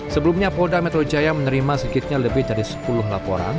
sebelumnya polda metro jaya menerima sedikitnya lebih dari sepuluh laporan